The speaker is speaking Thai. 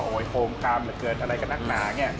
โอ้โหโคลงคาร์มเหมือนเกิดอะไรกับนักหนา